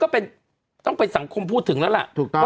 ก็ต้องเป็นสังคมพูดถึงแล้วแหละ